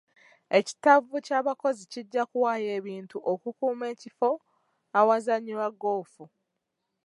Ekittavvu ky'abakozi kijja kuwaayo ebintu okukuuma ekifo awazannyirwa goofu.